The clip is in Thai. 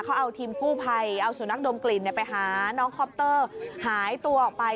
เขาเอาทีมกู้ภัยเอาสุนัขดมกลิ่นไปหาน้องคอปเตอร์หายตัวออกไป